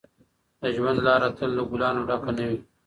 د ژوند لاره تل له ګلانو ډکه نه وي.